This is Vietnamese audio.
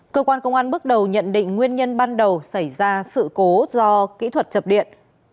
cơ quan công an bước đầu nhận định nguyên nhân ban đầu xảy ra sự cố do kỹ thuật chập điện